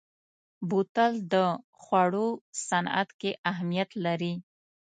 بوتل د خوړو صنعت کې اهمیت لري.